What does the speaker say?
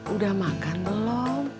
udah makan belum